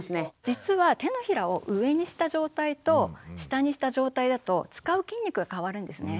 実は手のひらを上にした状態と下にした状態だと使う筋肉が変わるんですね。